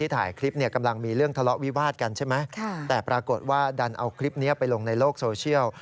แต่ปรากฏว่าดันเอาคลิปนี้ไปลงในโลกโซเชียล